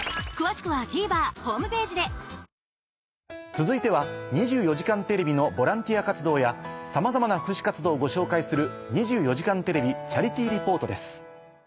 続いては『２４時間テレビ』のボランティア活動やさまざまな福祉活動をご紹介する。